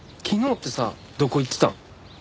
昨日ってさどこ行ってたん？